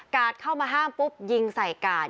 เข้ามาห้ามปุ๊บยิงใส่กาด